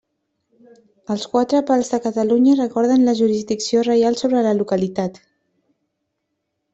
Els quatre pals de Catalunya recorden la jurisdicció reial sobre la localitat.